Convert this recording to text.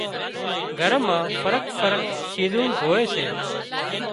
گھر مان فرق شيزون هوئي سي